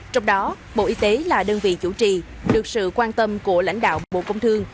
trong đó bộ y tế là đơn vị chủ trì được sự quan tâm của lãnh đạo bộ công thương